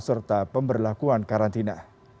serta pemberlakuan karantina